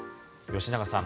吉永さん